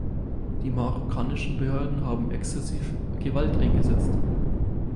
Die marokkanischen Behörden haben exzessiv Gewalt eingesetzt.